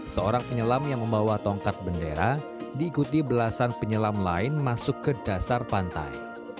seorang penyelam yang membawa tongkat bendera diikuti belasan penyelam lain masuk ke dasar pantai